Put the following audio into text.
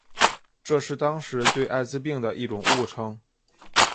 这是当时对艾滋病的一种误称。